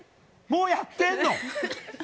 もうやってるの？